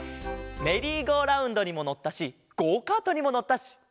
メリーゴーラウンドにものったしゴーカートにものったし。